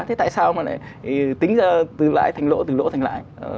thế tại sao mà lại tính ra từ lãi thành lỗ từ lỗ thành lãi